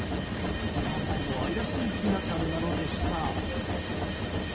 何とも愛らしいひなちゃんなのでした。